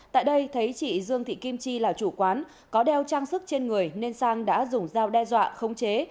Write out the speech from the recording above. tại đây thấy chị dương thị kim chi là chủ quán có đeo trang sức trên người nên sang đã dùng dao đe dọa khống chế